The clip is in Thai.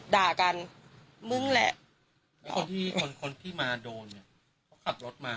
ด่ากันมึงแหละแล้วคนที่มาโดนเนี่ยเขาขับรถมา